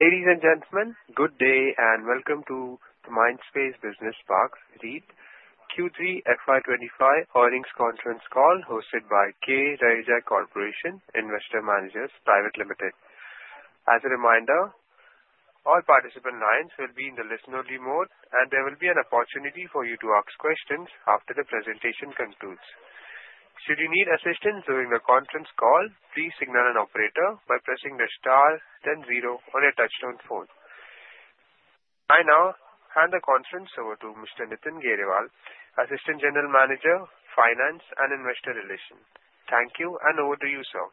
Ladies and gentlemen, good day and welcome to the Mindspace Business Parks REIT Q3 FY2025 earnings conference call hosted by K. Raheja Corp Investment Managers Private Limited. As a reminder, all participant lines will be in the listen-only mode, and there will be an opportunity for you to ask questions after the presentation concludes. Should you need assistance during the conference call, please signal an operator by pressing the star then zero on your touch-tone phone. I now hand the conference over to Mr. Nitin Garewal, Assistant General Manager, Finance and Investor Relations. Thank you, and over to you, sir.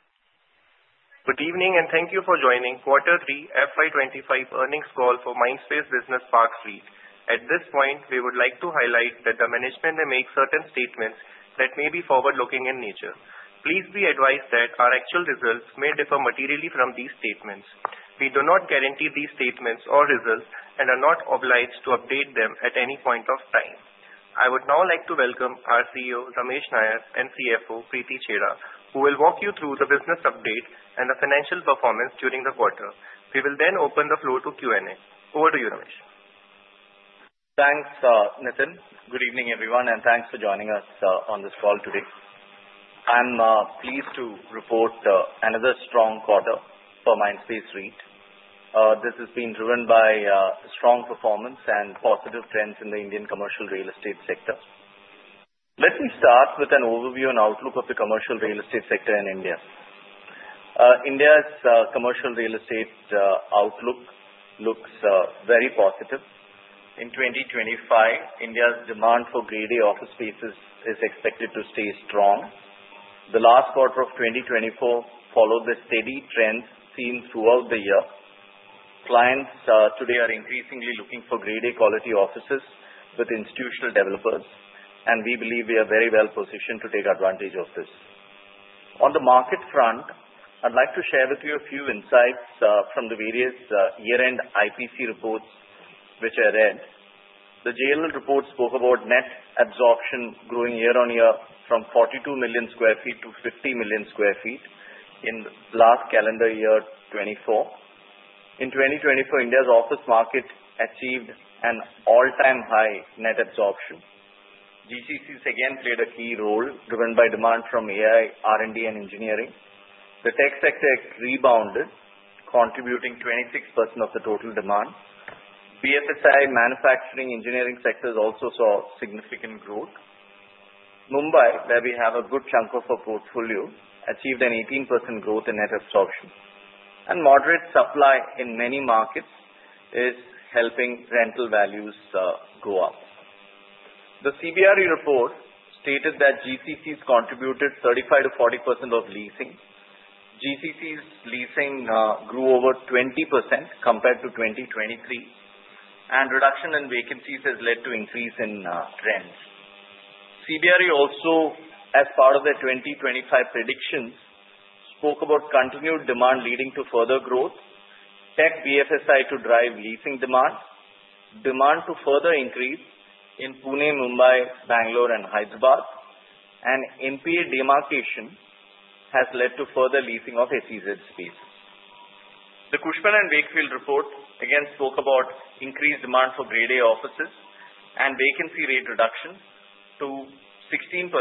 Good evening and thank you for joining Quarter 3 FY2025 earnings call for Mindspace Business Parks REIT. At this point, we would like to highlight that the management may make certain statements that may be forward-looking in nature. Please be advised that our actual results may differ materially from these statements. We do not guarantee these statements or results and are not obliged to update them at any point of time. I would now like to welcome our CEO, Ramesh Nair, and CFO, Preeti Chheda, who will walk you through the business update and the financial performance during the quarter. We will then open the floor to Q&A. Over to you, Ramesh. Thanks, Nitin. Good evening, everyone, and thanks for joining us on this call today. I'm pleased to report another strong quarter for Mindspace REIT. This has been driven by strong performance and positive trends in the Indian commercial real estate sector. Let me start with an overview and outlook of the commercial real estate sector in India. India's commercial real estate outlook looks very positive. In 2025, India's demand for grade A office spaces is expected to stay strong. The last quarter of 2024 followed the steady trends seen throughout the year. Clients today are increasingly looking for grade A quality offices with institutional developers, and we believe we are very well positioned to take advantage of this. On the market front, I'd like to share with you a few insights from the various year-end IPC reports which I read. The JLL report spoke about net absorption growing year-on-year from 42 million sq ft to 50 million sq ft in the last calendar year, 2024. In 2024, India's office market achieved an all-time high net absorption. GCCs again played a key role, driven by demand from AI, R&D, and engineering. The tech sector rebounded, contributing 26% of the total demand. BFSI manufacturing engineering sectors also saw significant growth. Mumbai, where we have a good chunk of our portfolio, achieved an 18% growth in net absorption, and moderate supply in many markets is helping rental values go up. The CBRE report stated that GCCs contributed 35%-40% of leasing. GCCs' leasing grew over 20% compared to 2023, and reduction in vacancies has led to an increase in trends. CBRE also, as part of their 2025 predictions, spoke about continued demand leading to further growth. Tech BFSI to drive leasing demand. Demand to further increase in Pune, Mumbai, Bangalore, and Hyderabad. NPA demarcation has led to further leasing of SEZ spaces. The Cushman & Wakefield report again spoke about increased demand for grade A offices and vacancy rate reduction to 16%,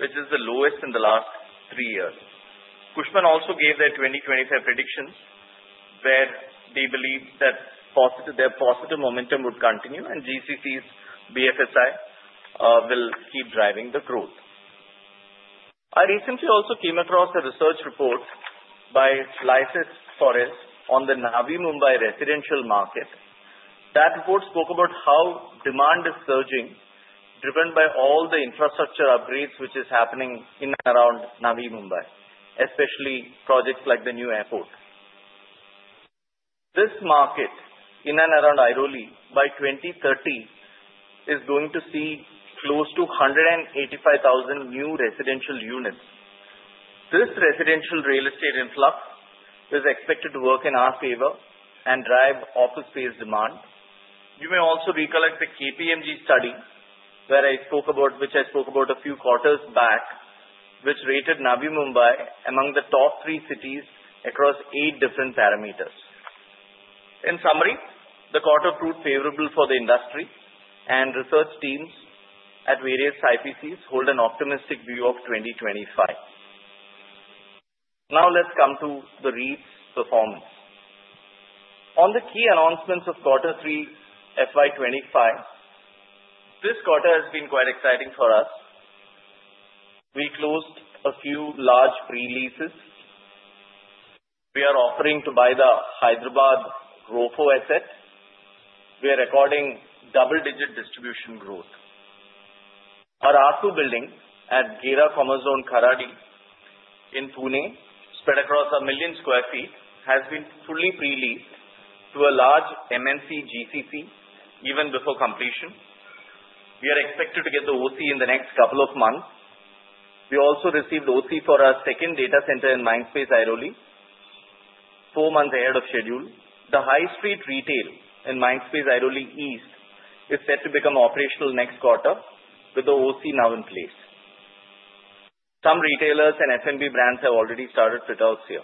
which is the lowest in the last three years. Cushman also gave their 2025 predictions, where they believe that their positive momentum would continue, and GCCs' BFSI will keep driving the growth. I recently also came across a research report by Liases Foras on the Navi Mumbai residential market. That report spoke about how demand is surging, driven by all the infrastructure upgrades which are happening in and around Navi Mumbai, especially projects like the new airport. This market in and around Airoli by 2030 is going to see close to 185,000 new residential units. This residential real estate influx is expected to work in our favor and drive office space demand. You may also recollect the KPMG study which I spoke about a few quarters back, which rated Navi Mumbai among the top three cities across eight different parameters. In summary, the quarter proved favorable for the industry, and research teams at various IPCs hold an optimistic view of 2025. Now let's come to the REIT's performance. On the key announcements of Quarter 3 FY2025, this quarter has been quite exciting for us. We closed a few large pre-leases. We are offering to buy the Hyderabad ROFO asset. We are recording double-digit distribution growth. Our R2 building at Gera Commerzone Kharadi in Pune, spread across a million sq ft, has been fully pre-leased to a large MNC GCC even before completion. We are expected to get the OC in the next couple of months. We also received OC for our second data center in Mindspace, Airoli, four months ahead of schedule. The High Street Retail in Mindspace, Airoli East, is set to become operational next quarter with the OC now in place. Some retailers and F&B brands have already started pickups here.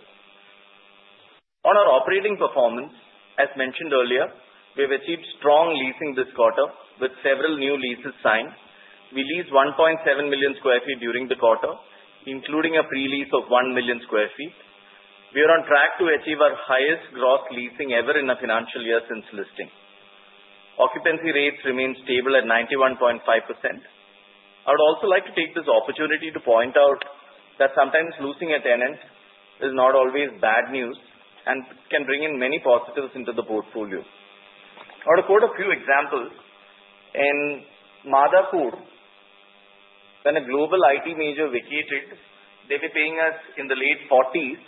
On our operating performance, as mentioned earlier, we have achieved strong leasing this quarter with several new leases signed. We leased 1.7 million sq ft during the quarter, including a pre-lease of 1 million sq ft. We are on track to achieve our highest gross leasing ever in a financial year since listing. Occupancy rates remain stable at 91.5%. I would also like to take this opportunity to point out that sometimes losing a tenant is not always bad news and can bring in many positives into the portfolio. I'll quote a few examples. In Madhapur, when a global IT major vacated, they were paying us in the late 40s.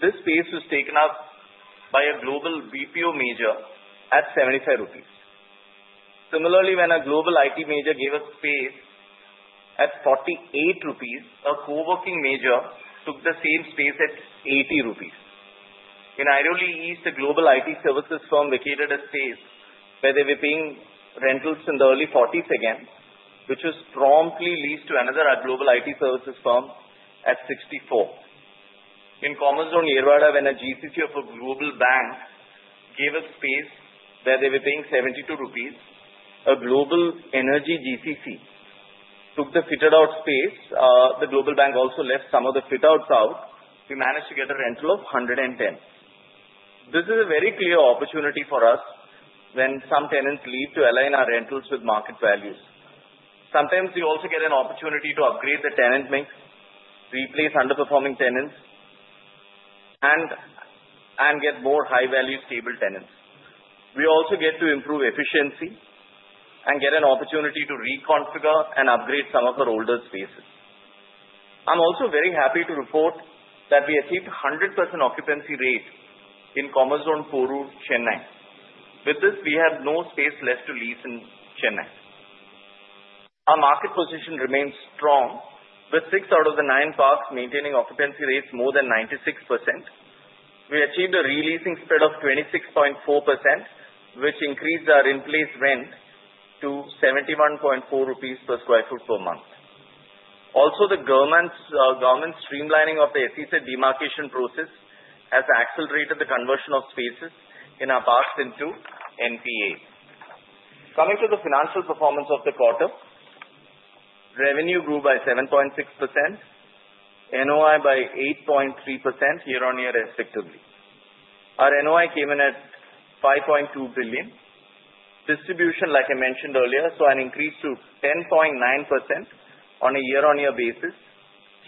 This space was taken up by a global BPO major at 75 rupees. Similarly, when a global IT major gave us space at 48 rupees, a co-working major took the same space at 80 rupees. In Airoli East, a global IT services firm vacated a space where they were paying rentals in the early 40s again, which was promptly leased to another global IT services firm at 64. In Commerzone Yerwada, when a GCC of a global bank gave us space where they were paying 72 rupees, a global energy GCC took the fitted-out space. The global bank also left some of the fit-outs out. We managed to get a rental of 110. This is a very clear opportunity for us when some tenants leave to align our rentals with market values. Sometimes we also get an opportunity to upgrade the tenant mix, replace underperforming tenants, and get more high-value, stable tenants. We also get to improve efficiency and get an opportunity to reconfigure and upgrade some of our older spaces. I'm also very happy to report that we achieved a 100% occupancy rate in Commerzone Porur, Chennai. With this, we have no space left to lease in Chennai. Our market position remains strong with six out of the nine parks maintaining occupancy rates more than 96%. We achieved a re-leasing spread of 26.4%, which increased our in-place rent to 71.4 rupees per sq ft per month. Also, the government's streamlining of the SEZ demarcation process has accelerated the conversion of spaces in our parks into NPA. Coming to the financial performance of the quarter, revenue grew by 7.6%, NOI by 8.3% year-on-year, respectively. Our NOI came in at 5.2 billion. Distribution, like I mentioned earlier, saw an increase to 10.9% on a year-on-year basis,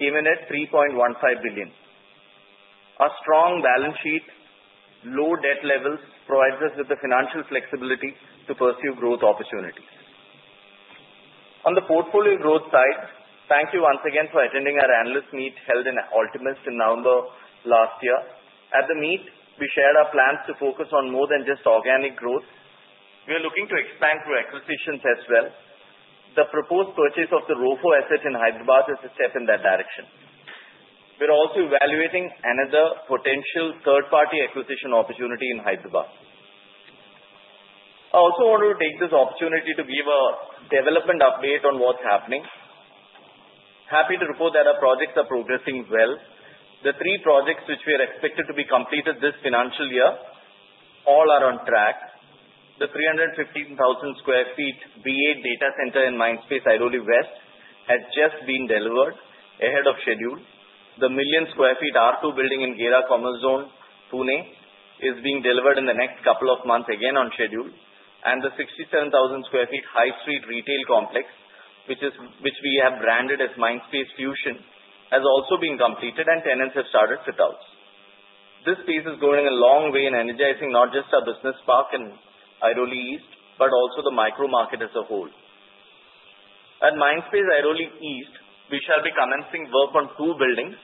came in at 3.15 billion. A strong balance sheet, low debt levels provide us with the financial flexibility to pursue growth opportunities. On the portfolio growth side, thank you once again for attending our analyst meet held in Altimus in November last year. At the meet, we shared our plans to focus on more than just organic growth. We are looking to expand through acquisitions as well. The proposed purchase of the ROFO asset in Hyderabad is a step in that direction. We're also evaluating another potential third-party acquisition opportunity in Hyderabad. I also wanted to take this opportunity to give a development update on what's happening. Happy to report that our projects are progressing well. The three projects which we are expected to be completed this financial year all are on track. The 315,000 sq ft B8 data center in Mindspace Airoli West has just been delivered ahead of schedule. The million sq ft R2 building in Gera Commerzone Pune is being delivered in the next couple of months again on schedule, and the 67,000 sq ft High Street Retail Complex, which we have branded as Mindspace Fusion, has also been completed, and tenants have started fit-outs. This space is going a long way in energizing not just our business park in Airoli East, but also the micro market as a whole. At Mindspace Airoli East, we shall be commencing work on two buildings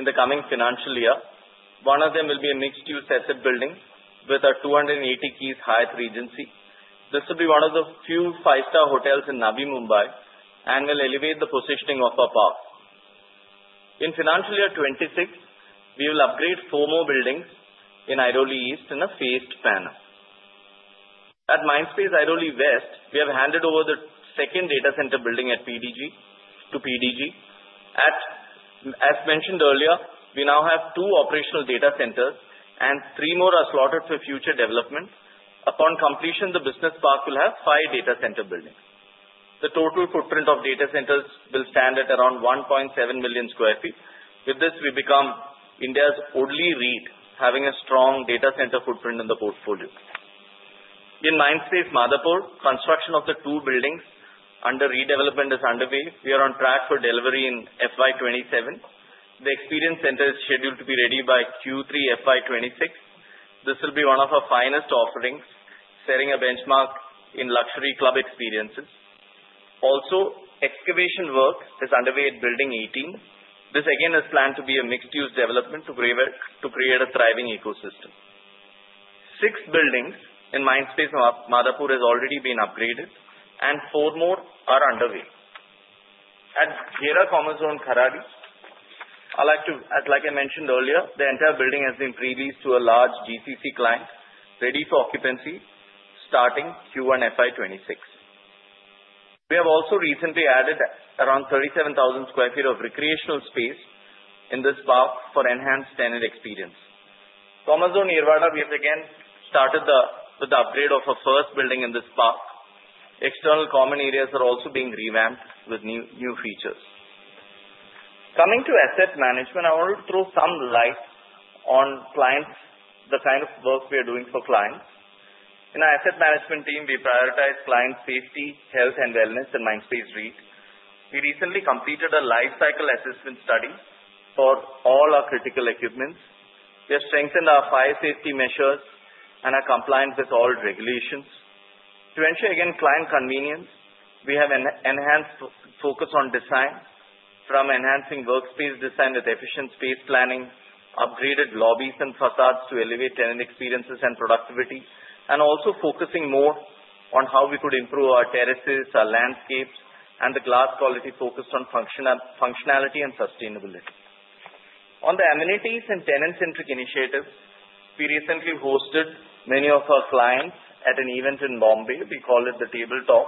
in the coming financial year. One of them will be a mixed-use asset building with a 280-key Hyatt Regency. This will be one of the few five-star hotels in Navi Mumbai and will elevate the positioning of our park. In financial year 2026, we will upgrade four more buildings in Airoli East in a phased manner. At Mindspace Airoli West, we have handed over the second data center building at PDG to PDG. As mentioned earlier, we now have two operational data centers, and three more are slotted for future development. Upon completion, the business park will have five data center buildings. The total footprint of data centers will stand at around 1.7 million sq ft. With this, we become India's only REIT having a strong data center footprint in the portfolio. In Mindspace Madhapur, construction of the two buildings under redevelopment is underway. We are on track for delivery in FY 2027. The experience center is scheduled to be ready by Q3 FY 2026. This will be one of our finest offerings, setting a benchmark in luxury club experiences. Also, excavation work is underway at Building 18. This again is planned to be a mixed-use development to create a thriving ecosystem. Six buildings in Mindspace Madhapur have already been upgraded, and four more are underway. At Gera Commerzone Kharadi, as I mentioned earlier, the entire building has been pre-leased to a large GCC client, ready for occupancy starting Q1 FY2026. We have also recently added around 37,000 sq ft of recreational space in this park for enhanced tenant experience. Commerzone Yerwada, we have again started with the upgrade of our first building in this park. External common areas are also being revamped with new features. Coming to asset management, I wanted to throw some light on the kind of work we are doing for clients. In our asset management team, we prioritize client safety, health, and wellness in Mindspace REIT. We recently completed a life cycle assessment study for all our critical equipment. We have strengthened our fire safety measures and are compliant with all regulations. To ensure, again, client convenience, we have an enhanced focus on design from enhancing workspace design with efficient space planning, upgraded lobbies and facades to elevate tenant experiences and productivity, and also focusing more on how we could improve our terraces, our landscapes, and the glass quality focused on functionality and sustainability. On the amenities and tenant-centric initiatives, we recently hosted many of our clients at an event in Mumbai. We called it the Table Talk.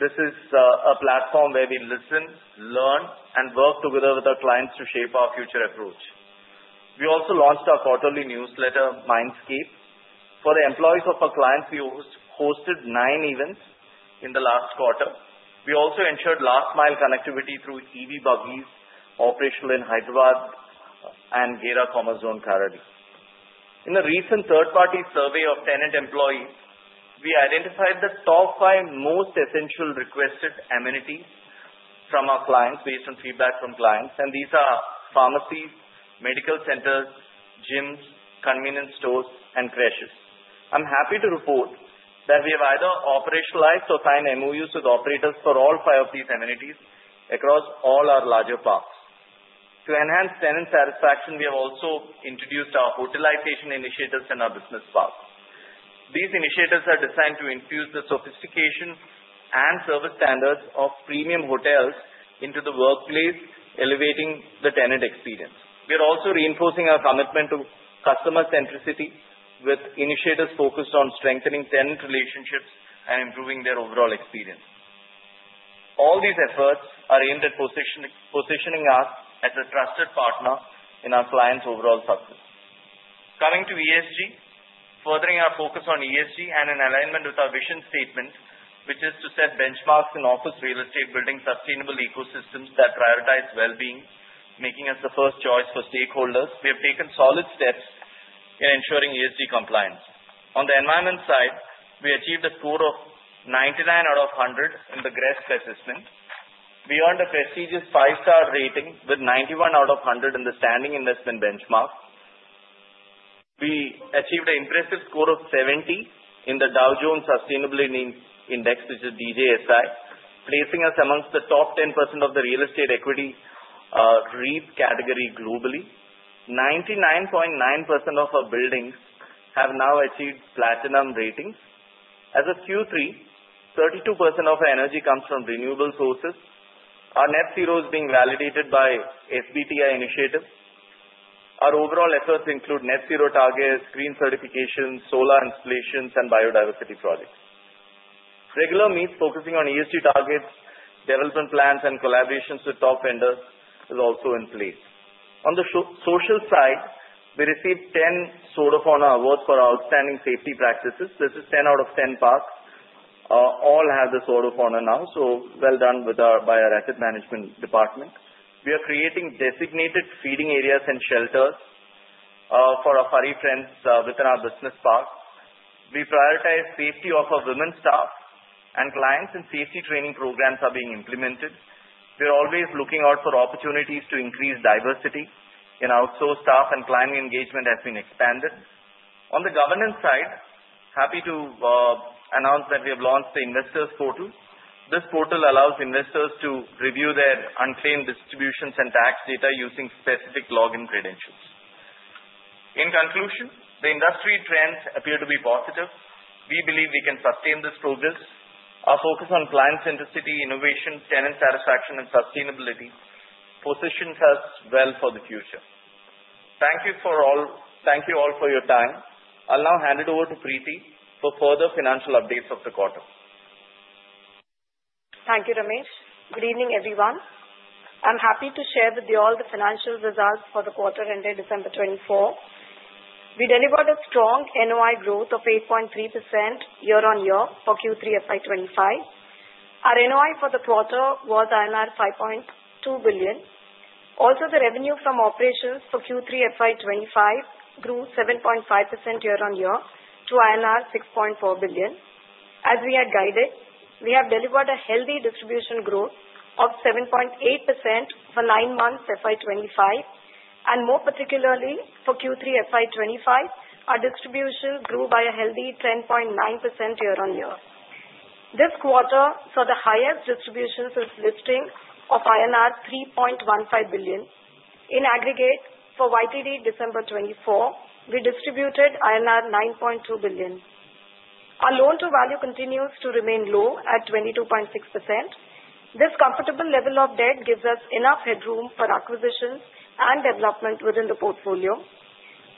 This is a platform where we listen, learn, and work together with our clients to shape our future approach. We also launched our quarterly newsletter, Mindscape. For the employees of our clients, we hosted nine events in the last quarter. We also ensured last-mile connectivity through EV buggies operational in Hyderabad and Gera Commerzone Kharadi. In a recent third-party survey of tenant employees, we identified the top five most essential requested amenities from our clients based on feedback from clients, and these are pharmacies, medical centers, gyms, convenience stores, and creches. I'm happy to report that we have either operationalized or signed MOUs with operators for all five of these amenities across all our larger parks. To enhance tenant satisfaction, we have also introduced our hotelization initiatives in our business parks. These initiatives are designed to infuse the sophistication and service standards of premium hotels into the workplace, elevating the tenant experience. We are also reinforcing our commitment to customer centricity with initiatives focused on strengthening tenant relationships and improving their overall experience. All these efforts are aimed at positioning us as a trusted partner in our clients' overall success. Coming to ESG, furthering our focus on ESG and in alignment with our vision statement, which is to set benchmarks in office real estate building sustainable ecosystems that prioritize well-being, making us the first choice for stakeholders, we have taken solid steps in ensuring ESG compliance. On the environment side, we achieved a score of 99 out of 100 in the GRESB Assessment. We earned a prestigious five-star rating with 91 out of 100 in the Standing Investment Benchmark. We achieved an impressive score of 70 in the Dow Jones Sustainability Index, which is DJSI, placing us amongst the top 10% of the real estate equity REIT category globally. 99.9% of our buildings have now achieved platinum ratings. As of Q3, 32% of our energy comes from renewable sources. Our net zero is being validated by SBTi initiatives. Our overall efforts include net zero targets, green certifications, solar installations, and biodiversity projects. Regular meetings focusing on ESG targets, development plans, and collaborations with top vendors are also in place. On the social side, we received 10 Sword of Honor awards for our outstanding safety practices. This is 10 out of 10 parks. All have the Sword of Honor now, so well done by our asset management department. We are creating designated feeding areas and shelters for our furry friends within our business park. We prioritize safety of our women staff and clients, and safety training programs are being implemented. We are always looking out for opportunities to increase diversity in outsourced staff and client engagement has been expanded. On the governance side, happy to announce that we have launched the Investors Portal. This portal allows investors to review their unclaimed distributions and tax data using specific login credentials. In conclusion, the industry trends appear to be positive. We believe we can sustain this progress. Our focus on client centricity, innovation, tenant satisfaction, and sustainability positions us well for the future. Thank you all for your time. I'll now hand it over to Preeti for further financial updates of the quarter. Thank you, Ramesh. Good evening, everyone. I'm happy to share with you all the financial results for the quarter ended December 2024. We delivered a strong NOI growth of 8.3% year-on-year for Q3 FY2025. Our NOI for the quarter was INR 5.2 billion. Also, the revenue from operations for Q3 FY2025 grew 7.5% year-on-year to INR 6.4 billion. As we had guided, we have delivered a healthy distribution growth of 7.8% for nine months FY2025, and more particularly for Q3 FY2025, our distributions grew by a healthy 10.9% year-on-year. This quarter, for the highest distributions listing of INR 3.15 billion. In aggregate, for YTD December 2024, we distributed INR 9.2 billion. Our loan-to-value continues to remain low at 22.6%. This comfortable level of debt gives us enough headroom for acquisitions and development within the portfolio.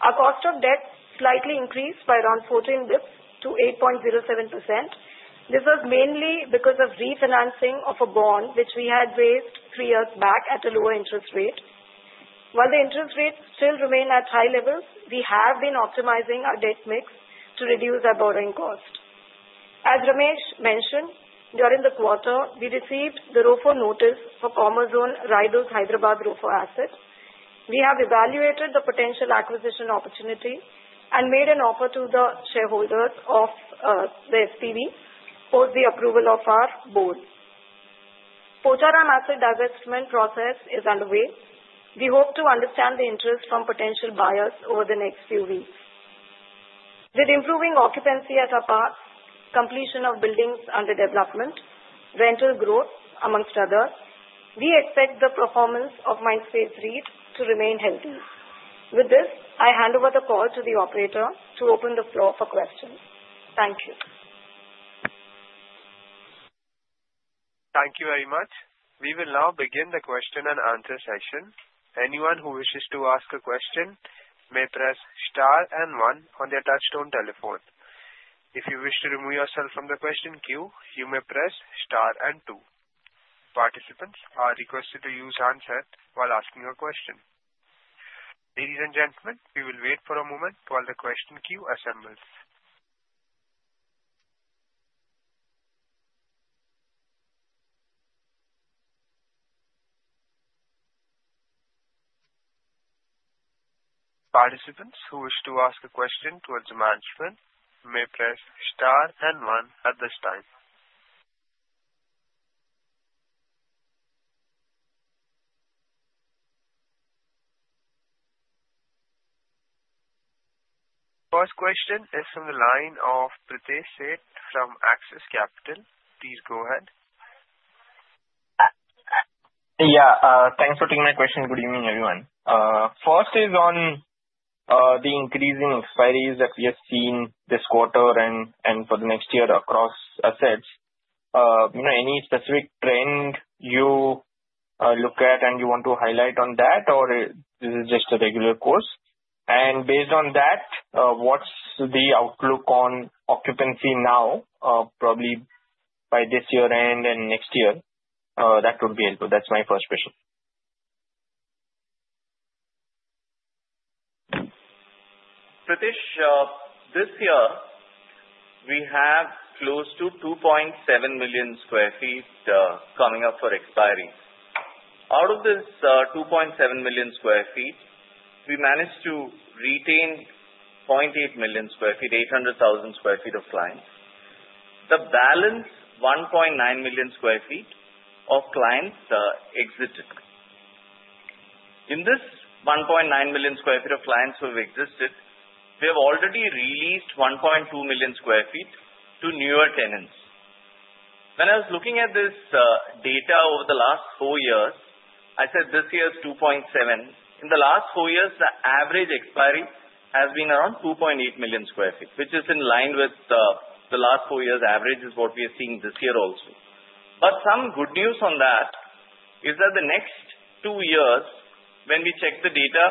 Our cost of debt slightly increased by around 14 basis points to 8.07%. This was mainly because of refinancing of a bond, which we had raised three years back at a lower interest rate. While the interest rates still remain at high levels, we have been optimizing our debt mix to reduce our borrowing cost. As Ramesh mentioned, during the quarter, we received the ROFO notice for Commerzone Raidurg Hyderabad ROFO asset. We have evaluated the potential acquisition opportunity and made an offer to the shareholders of the SPV for the approval of our board. Pocharam Asset Divestment Process is underway. We hope to understand the interest from potential buyers over the next few weeks. With improving occupancy at our parks, completion of buildings under development, rental growth, among others, we expect the performance of Mindspace REIT to remain healthy. With this, I hand over the call to the operator to open the floor for questions. Thank you. Thank you very much. We will now begin the question-and-answer session. Anyone who wishes to ask a question may press star and one on their touch-tone telephone. If you wish to remove yourself from the question queue, you may press star and two. Participants are requested to use handset while asking a question. Ladies and gentlemen, we will wait for a moment while the question queue assembles. Participants who wish to ask a question towards the management may press star and one at this time. First question is from the line of Pritesh Sheth from Axis Capital. Please go ahead. Yeah, thanks for taking my question. Good evening, everyone. First is on the increasing expiry that we have seen this quarter and for the next year across assets. Any specific trend you look at and you want to highlight on that, or is it just a regular course? And based on that, what's the outlook on occupancy now, probably by this year end and next year? That would be helpful. That's my first question. Pritesh, this year, we have close to 2.7 million sq ft coming up for expiry. Out of this 2.7 million sq ft, we managed to retain 0.8 million sq ft, 800,000 sq ft of clients. The balance, 1.9 million sq ft of clients exited. In this 1.9 million sq ft of clients who have exited, we have already re-leased 1.2 million sq ft to newer tenants. When I was looking at this data over the last four years, I said this year is 2.7. In the last four years, the average expiry has been around 2.8 million sq ft, which is in line with the last four years' average, is what we are seeing this year also. But some good news on that is that the next two years, when we check the data,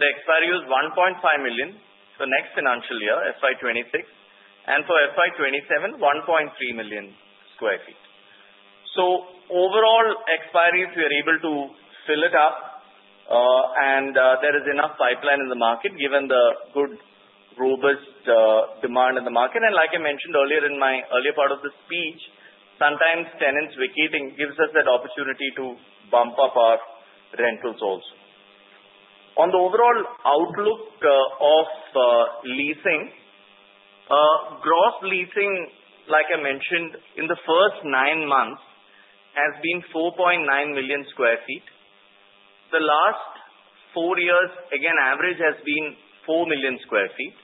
the expiry is 1.5 million for next financial year, FY2026, and for FY2027, 1.3 million sq ft. Overall expiry, we are able to fill it up, and there is enough pipeline in the market given the good, robust demand in the market. Like I mentioned earlier in my earlier part of the speech, sometimes tenants vacating gives us that opportunity to bump up our rentals also. On the overall outlook of leasing, gross leasing, like I mentioned, in the first nine months has been 4.9 million sq ft. The last four years, again, average has been 4 million sq ft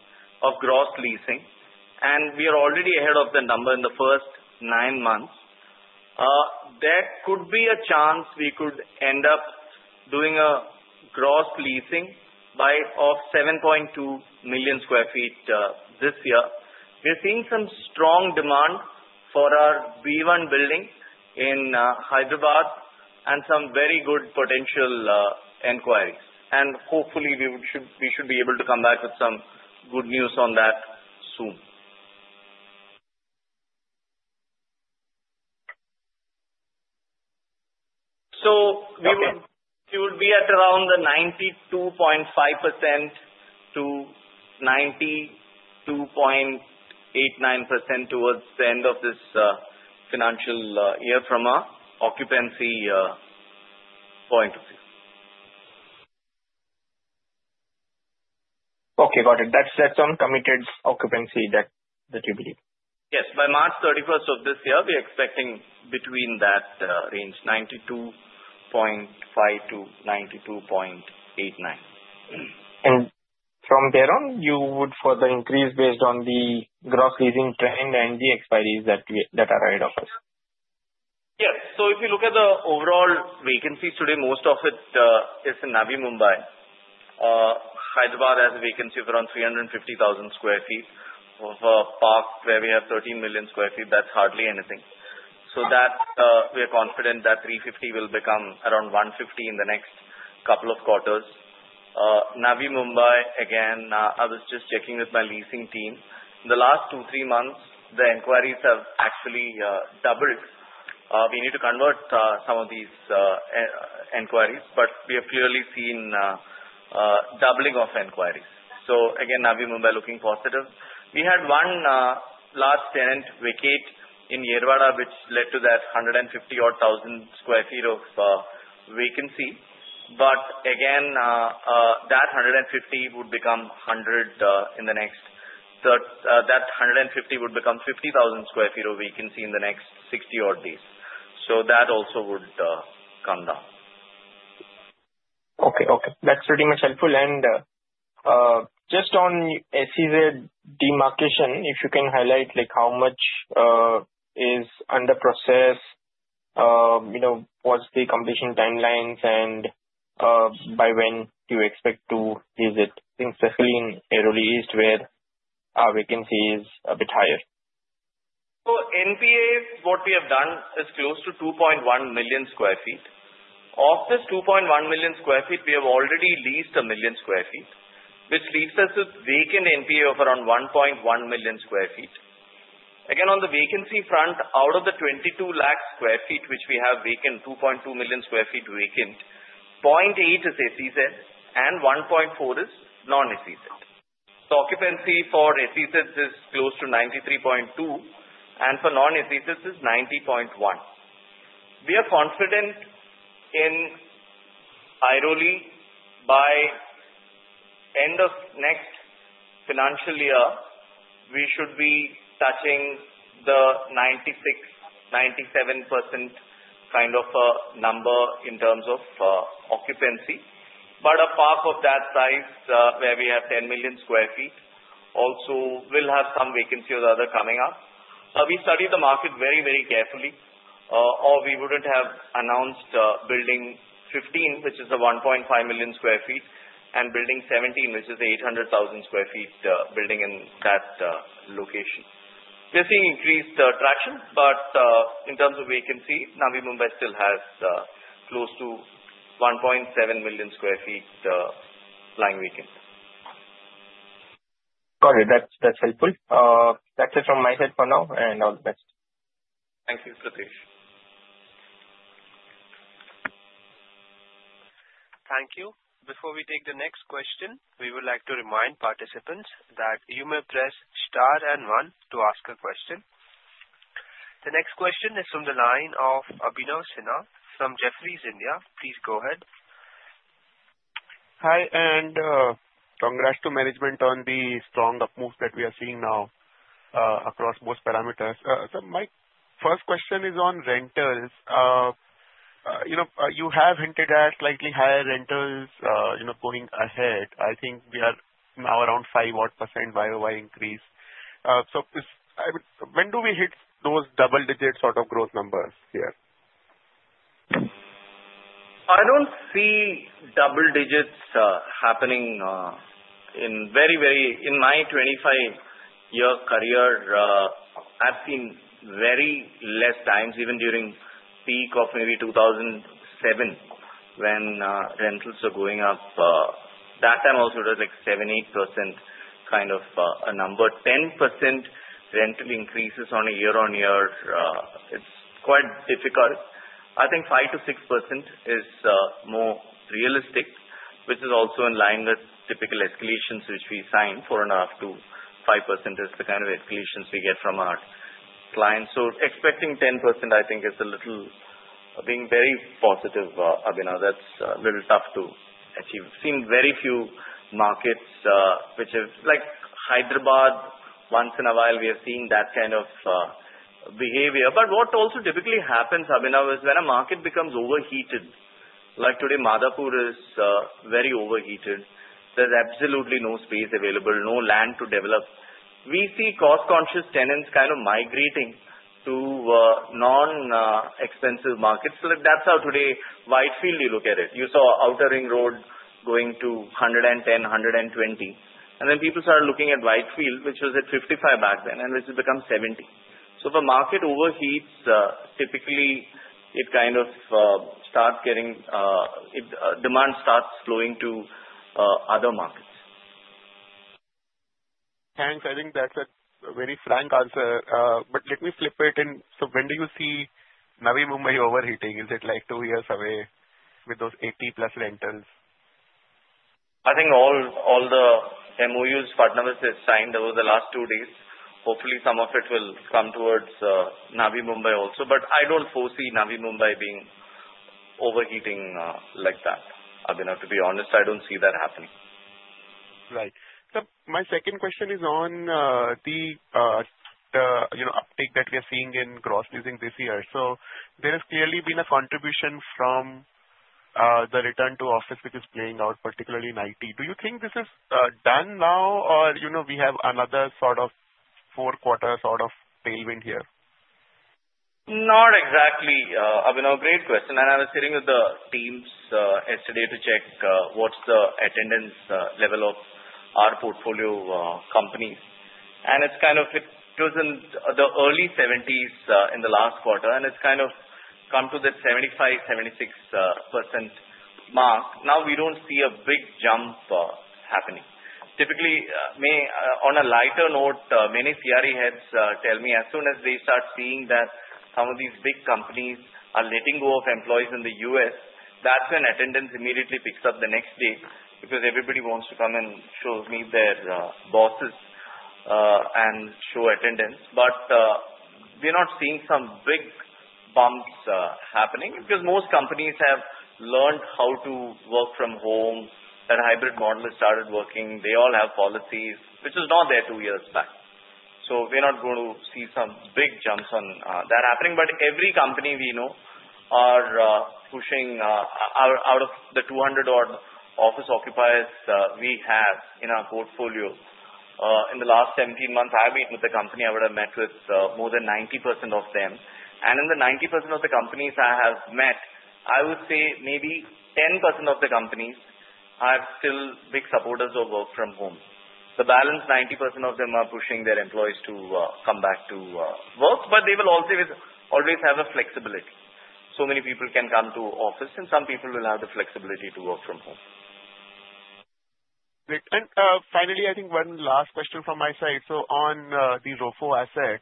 of gross leasing, and we are already ahead of the number in the first nine months. There could be a chance we could end up doing a gross leasing by 7.2 million sq ft this year. We're seeing some strong demand for our B1 building in Hyderabad and some very good potential inquiries. Hopefully, we should be able to come back with some good news on that soon. We would be at around the 92.5% to 92.89% towards the end of this financial year from an occupancy point of view. Okay, got it. That's uncommitted occupancy that you believe. Yes, by March 31st of this year, we are expecting between that range, 92.5%-92.89%. From there on, you would further increase based on the gross leasing trend and the expiry that are ahead of us? Yes. If you look at the overall vacancies today, most of it is in Navi Mumbai. Hyderabad has a vacancy of around 350,000 sq ft of a park where we have 13 million sq ft. That's hardly anything. We are confident that 350 will become around 150 in the next couple of quarters. Navi Mumbai, again, I was just checking with my leasing team. In the last two, three months, the inquiries have actually doubled. We need to convert some of these inquiries, but we have clearly seen doubling of inquiries. So again, Navi Mumbai looking positive. We had one last tenant vacate in Airoli, which led to that 150-odd thousand sq ft of vacancy. But again, that 150 would become 100 in the next 50,000 sq ft of vacancy in the next 60-odd days. So that also would come down. Okay, okay. That's pretty much helpful. Just on SEZ demarcation, if you can highlight how much is under process, what's the completion timelines, and by when do you expect to use it, especially in Airoli East where our vacancy is a bit higher? So NPA, what we have done is close to 2.1 million sq ft. Of this 2.1 million sq ft, we have already leased a million sq ft, which leaves us with vacant NPA of around 1.1 million sq ft. Again, on the vacancy front, out of the 22 lakh sq ft which we have vacant, 2.2 million sq ft vacant, 0.8 is SEZ, and 1.4 is non-SEZ. The occupancy for SEZ is close to 93.2%, and for non-SEZ, it is 90.1%. We are confident in Airoli by end of next financial year, we should be touching the 96%-97% kind of a number in terms of occupancy. But a park of that size where we have 10 million sq ft also will have some vacancy or the other coming up. We study the market very, very carefully, or we wouldn't have announced building 15, which is the 1.5 million sq ft, and building 17, which is the 800,000 sq ft building in that location. We're seeing increased traction, but in terms of vacancy, Navi Mumbai still has close to 1.7 million sq ft lying vacant. Got it. That's helpful. That's it from my side for now, and all the best. Thank you, Pritesh. Thank you. Before we take the next question, we would like to remind participants that you may press star and one to ask a question. The next question is from the line of Abhinav Sinha from Jefferies India. Please go ahead. Hi, and congrats to management on the strong upmove that we are seeing now across most parameters. So my first question is on rentals. You have hinted at slightly higher rentals going ahead. I think we are now around 5-odd% ROI increase. So when do we hit those double-digit sort of growth numbers here? I don't see double digits happening in my 25-year career. I've seen very less times, even during peak of maybe 2007 when rentals were going up. That time also was like 7%-8% kind of a number. 10% rental increases on a year-on-year, it's quite difficult. I think 5%-6% is more realistic, which is also in line with typical escalations which we sign. 4.5%-5% is the kind of escalations we get from our clients. So expecting 10%, I think, is a little being very positive, Abhinav. That's a little tough to achieve. We've seen very few markets, which is like Hyderabad, once in a while we have seen that kind of behavior. But what also typically happens, Abhinav, is when a market becomes overheated, like today Madhapur is very overheated, there's absolutely no space available, no land to develop. We see cost-conscious tenants kind of migrating to non-expensive markets. That's how today Whitefield, you look at it. You saw Outer Ring Road going to 110-120. And then people started looking at Whitefield, which was at 55 back then, and it has become 70. So the market overheats, typically it kind of starts getting demand flowing to other markets. Thanks. I think that's a very frank answer. But let me flip it in. So when do you see Navi Mumbai overheating? Is it like two years away with those 80-plus rentals? I think all the MOUs Fadnavis has signed over the last two days. Hopefully, some of it will come towards Navi Mumbai also. But I don't foresee Navi Mumbai being overheating like that, Abhinav. To be honest, I don't see that happening. Right. So my second question is on the uptake that we are seeing in gross leasing this year. So there has clearly been a contribution from the return to office, which is playing out particularly in IT. Do you think this is done now, or we have another sort of four-quarter sort of tailwind here? Not exactly. Abhinav, great question. And I was sitting with the teams yesterday to check what's the attendance level of our portfolio companies. And it's kind of. It was in the early 70s in the last quarter, and it's kind of come to the 75%-76% mark. Now we don't see a big jump happening. Typically, on a lighter note, many CRE heads tell me as soon as they start seeing that some of these big companies are letting go of employees in the U.S., that's when attendance immediately picks up the next day because everybody wants to come and show me their bosses and show attendance. But we're not seeing some big bumps happening because most companies have learned how to work from home. That hybrid model has started working. They all have policies, which was not there two years back. So we're not going to see some big jumps on that happening. But every company we know are pushing out of the 200-odd office occupiers we have in our portfolio. In the last 17 months, I've been with the company. I would have met with more than 90% of them. And in the 90% of the companies I have met, I would say maybe 10% of the companies are still big supporters of work from home. The balance, 90% of them are pushing their employees to come back to work, but they will always have a flexibility. So many people can come to office, and some people will have the flexibility to work from home. Great. And finally, I think one last question from my side. So on the ROFO asset,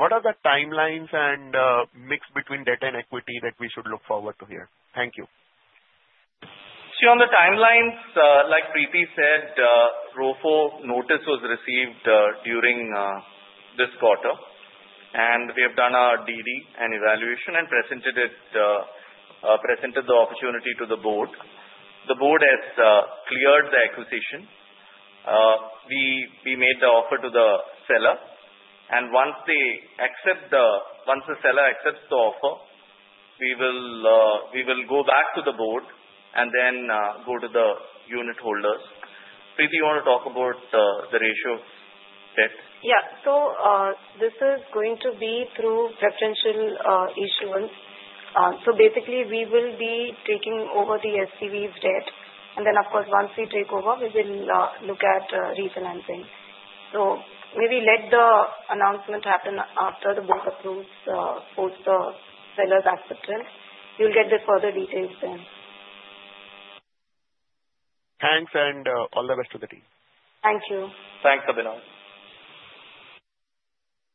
what are the timelines and mix between debt and equity that we should look forward to here? Thank you. See, on the timelines, like Preeti said, ROFO notice was received during this quarter, and we have done our DD and evaluation and presented the opportunity to the board. The board has cleared the acquisition. We made the offer to the seller, and once the seller accepts the offer, we will go back to the Board and then go to the unit holders. Preeti, you want to talk about the ratio debt? Yeah. So this is going to be through preferential issuance. So basically, we will be taking over the SPV's debt. And then, of course, once we take over, we will look at refinancing. So maybe let the announcement happen after the Board approves both the seller's acceptance. You'll get the further details then. Thanks, and all the best to the team. Thank you. Thanks, Abhinav.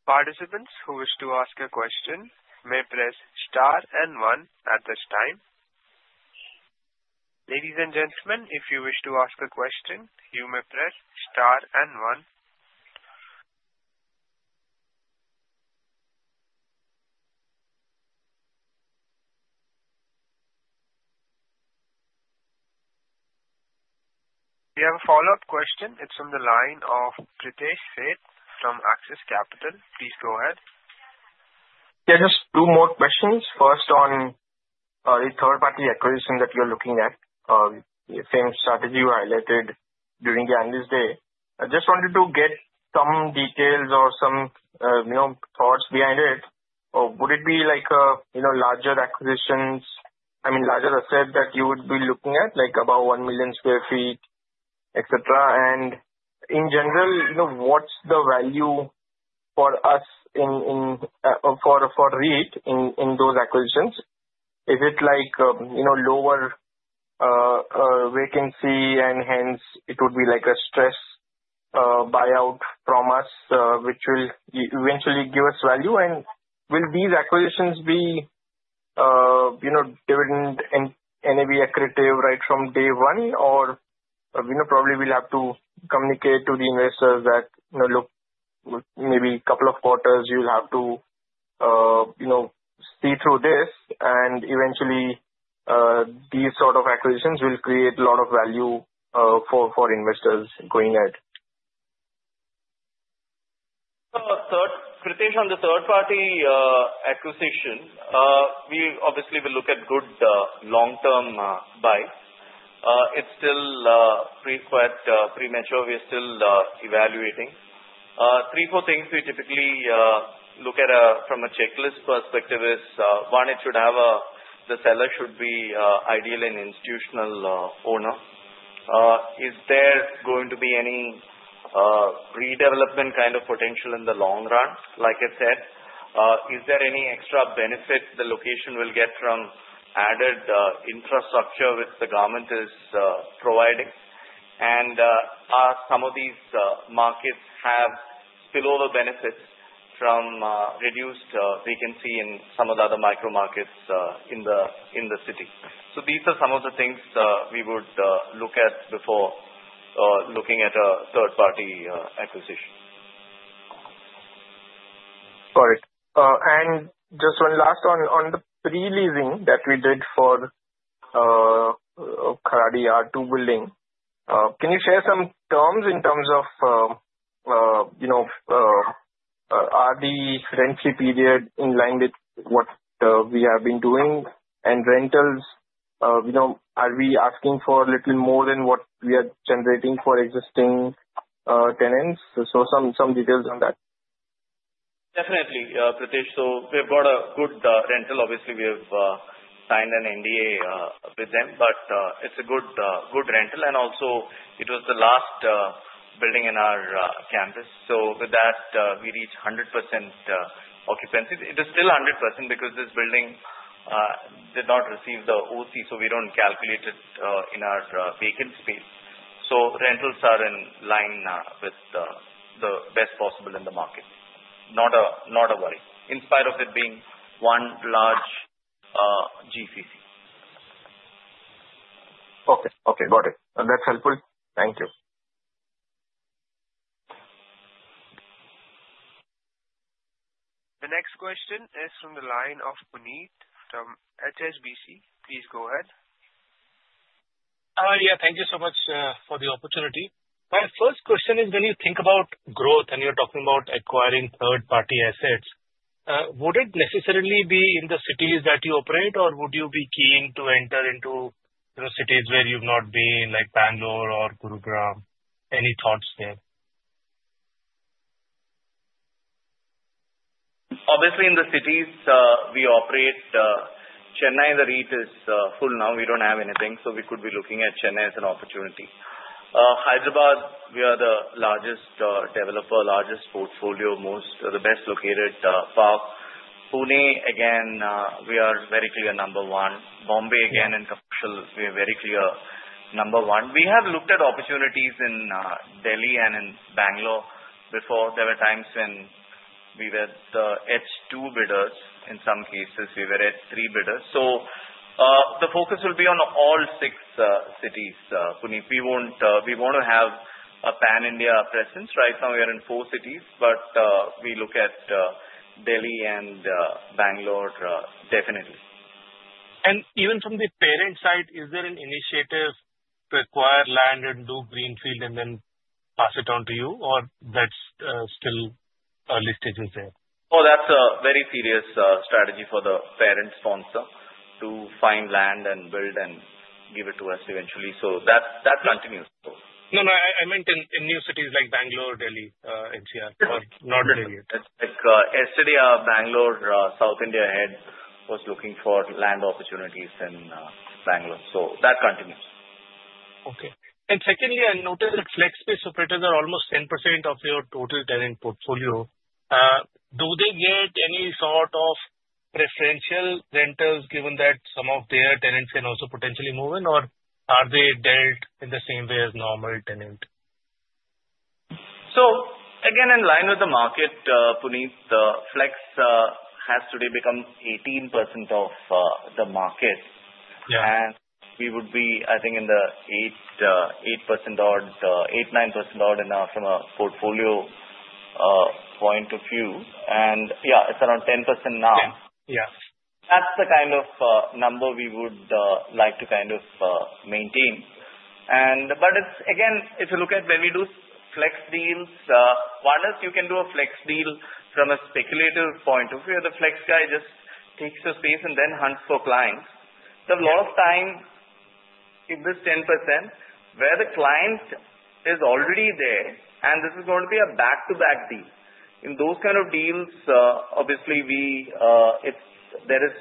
Participants who wish to ask a question may press star and one at this time. Ladies and gentlemen, if you wish to ask a question, you may press star and one. We have a follow-up question. It's from the line of Pritesh Sheth from Axis Capital. Please go ahead. Yeah, just two more questions. First, on the third-party acquisition that you're looking at, same strategy you highlighted during the annual day. I just wanted to get some details or some thoughts behind it. Would it be like larger acquisitions? I mean, larger asset that you would be looking at, like about 1 million sq ft, etc.? And in general, what's the value for us for REIT in those acquisitions? Is it like lower vacancy and hence it would be like a stress buyout from us, which will eventually give us value? And will these acquisitions be dividend and NAV accretive right from day one, or probably we'll have to communicate to the investors that, look, maybe a couple of quarters you'll have to see through this, and eventually these sort of acquisitions will create a lot of value for investors going ahead. Pritesh, on the third-party acquisition, we obviously will look at good long-term buys. It's still quite premature. We're still evaluating. Three, four things we typically look at from a checklist perspective is, one, it should have the seller should be ideally an institutional owner. Is there going to be any redevelopment kind of potential in the long run? Like I said, is there any extra benefit the location will get from added infrastructure which the government is providing? And some of these markets have spillover benefits from reduced vacancy in some of the other micro markets in the city. So these are some of the things we would look at before looking at a third-party acquisition. Got it. And just one last on the pre-leasing that we did for Kharadi, our two building. Can you share some terms in terms of are the rent-free period in line with what we have been doing? And rentals, are we asking for a little more than what we are generating for existing tenants? So some details on that. Definitely, Pritesh. So we've got a good rental. Obviously, we have signed an NDA with them, but it's a good rental. And also, it was the last building in our campus. So with that, we reach 100% occupancy. It is still 100% because this building did not receive the OC, so we don't calculate it in our vacant space. So rentals are in line with the best possible in the market. Not a worry, in spite of it being one large GCC. Okay. Okay. Got it. That's helpful. Thank you. The next question is from the line of Puneet from HSBC. Please go ahead. Yeah. Thank you so much for the opportunity. My first question is, when you think about growth and you're talking about acquiring third-party assets, would it necessarily be in the cities that you operate, or would you be keen to enter into cities where you've not been, like Bengaluru or Gurugram? Any thoughts there? Obviously, in the cities we operate, Chennai, the REIT is full now. We don't have anything, so we could be looking at Chennai as an opportunity. Hyderabad, we are the largest developer, largest portfolio, most of the best located park. Pune, again, we are very clear number one. Mumbai, again, and commercial, we are very clear number one. We have looked at opportunities in Delhi and in Bengaluru before. There were times when we were the L2 bidders. In some cases, we were L3 bidders. So the focus will be on all six cities. We want to have a pan-India presence. Right now, we are in four cities, but we look at Delhi and Bangalore definitely. And even from the parent side, is there an initiative to acquire land and do greenfield and then pass it on to you, or that's still early stages there? Oh, that's a very serious strategy for the parent sponsor to find land and build and give it to us eventually. So that continues. No, no. I meant in new cities like Bangalore, Delhi, NCR, not in India. Yesterday, Bangalore, South India head was looking for land opportunities in Bangalore. So that continues. Okay. And secondly, I noticed that flex space operators are almost 10% of your total tenant portfolio. Do they get any sort of preferential rentals given that some of their tenants can also potentially move in, or are they dealt in the same way as normal tenant? So again, in line with the market, Puneet, the flex has today become 18% of the market. And we would be, I think, in the 8% odd, 8, 9% odd from a portfolio point of view. And yeah, it's around 10% now. That's the kind of number we would like to kind of maintain. But again, if you look at when we do flex deals, Fadnavis, you can do a flex deal from a speculative point of view. The flex guy just takes the space and then hunts for clients. So a lot of time, if it's 10%, where the client is already there, and this is going to be a back-to-back deal. In those kind of deals, obviously, there is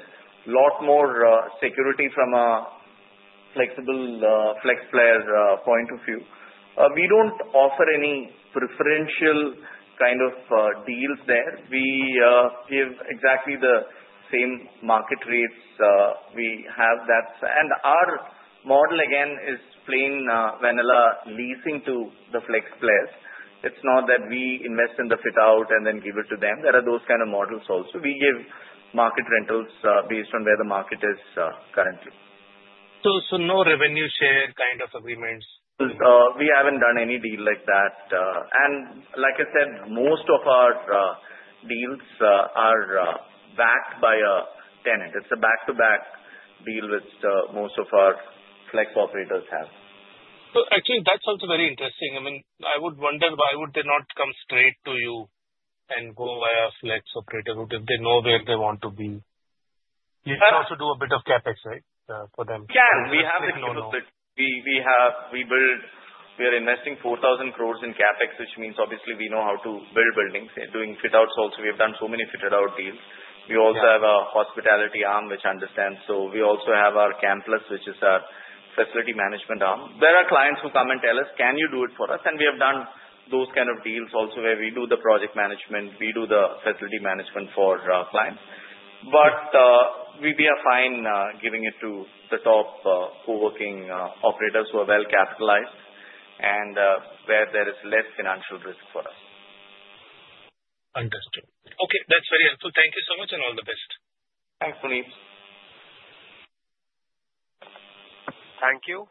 a lot more security from a flexible flex player point of view. We don't offer any preferential kind of deals there. We give exactly the same market rates we have. And our model, again, is plain vanilla leasing to the flex players. It's not that we invest in the fit-out and then give it to them. There are those kind of models also. We give market rentals based on where the market is currently. So no revenue share kind of agreements? We haven't done any deal like that. And like I said, most of our deals are backed by a tenant. It's a back-to-back deal which most of our flex operators have. So actually, that sounds very interesting. I mean, I would wonder why would they not come straight to you and go via flex operator route if they know where they want to be? You can also do a bit of CapEx, right, for them? Yeah. We have a deal that we build. We are investing 4,000 crores in CapEx, which means obviously we know how to build buildings. Doing fit-outs also. We have done so many fit-out deals. We also have a hospitality arm which understands. So we also have our campus, which is our facility management arm. There are clients who come and tell us, "Can you do it for us?" And we have done those kind of deals also where we do the project management. We do the facility management for clients. But we are fine giving it to the top coworking operators who are well capitalized and where there is less financial risk for us. Understood. Okay. That's very helpful. Thank you so much and all the best. Thanks, Puneet. Thank you.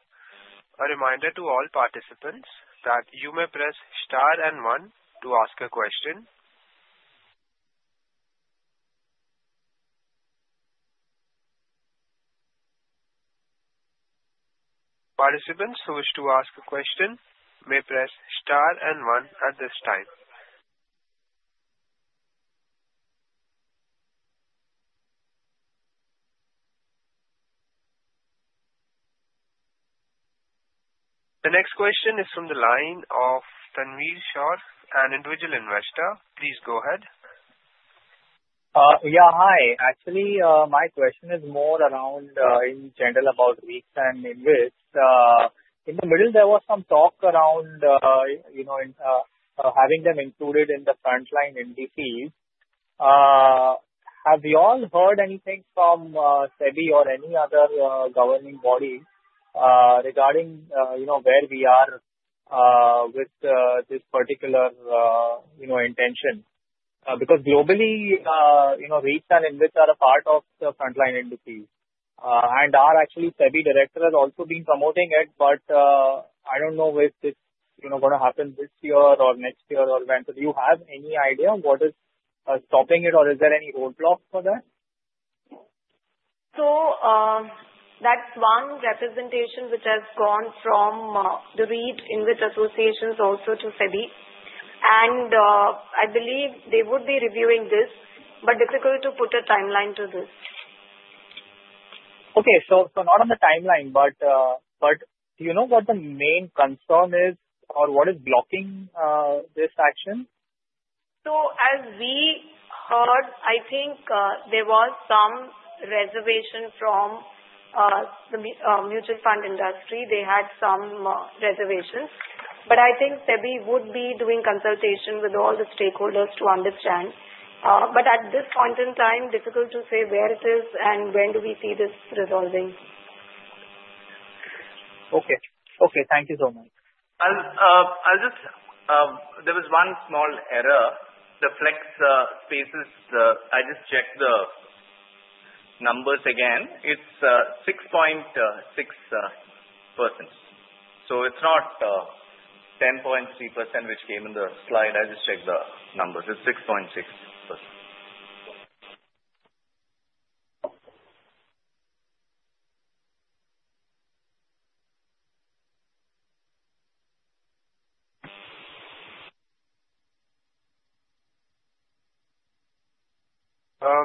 A reminder to all participants that you may press star and one to ask a question. Participants who wish to ask a question may press star and one at this time. The next question is from the line of Tanveer Sharf, an individual investor. Please go ahead. Yeah. Hi. Actually, my question is more around, in general, about REITs and InvITs. In the middle, there was some talk around having them included in the frontline Nifty. Have you all heard anything from SEBI or any other governing body regarding where we are with this particular intention? Because globally, REITs and InvITs are a part of the frontline Nifty. Actually, SEBI director has also been promoting it, but I don't know if it's going to happen this year or next year or when. But do you have any idea what is stopping it, or is there any roadblocks for that? So that's one representation which has gone from the REIT invest associations also to SEBI. And I believe they would be reviewing this, but difficult to put a timeline to this. Okay. So not on the timeline, but do you know what the main concern is or what is blocking this action? So as we heard, I think there was some reservation from the mutual fund industry. They had some reservations. But I think SEBI would be doing consultation with all the stakeholders to understand. But at this point in time, difficult to say where it is and when do we see this resolving. Okay. Okay. Thank you so much. There was one small error. The flex spaces, I just checked the numbers again. It's 6.6%. So it's not 10.3% which came in the slide. I just checked the numbers. It's 6.6%.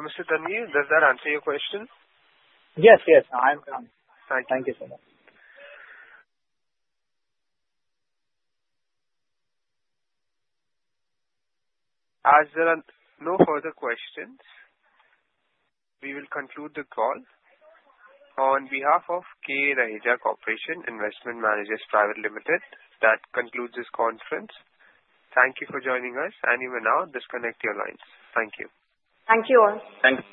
Mr. Tanveer, does that answer your question? Yes. Yes. I'm done. Thank you so much. As there are no further questions, we will conclude the call. On behalf of K. Raheja Corp Investment Managers Private Limited, that concludes this conference. Thank you for joining us, and you may now disconnect your lines. Thank you. Thank you all. Thank you.